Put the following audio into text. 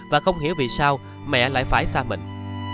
và không hiểu vì sao mẹ lại phải xa mình